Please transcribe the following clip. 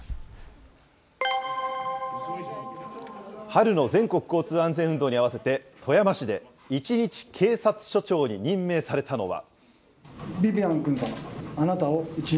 春の全国交通安全運動に合わせて、富山市で一日警察署長に任命されたのは。